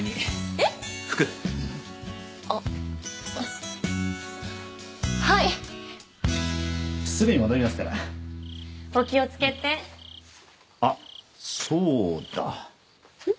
ふくあっはいすぐに戻りますからお気をつけてあっそうだうん？